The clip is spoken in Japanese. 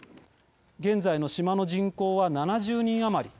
現在の島の人口は７０人余り。